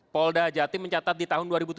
polda jatim mencatat di tahun dua ribu tujuh belas